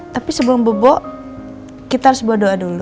tapi sebelum bobo kita harus buat doa dulu